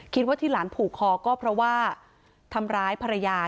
ที่หลานผูกคอก็เพราะว่าทำร้ายภรรยา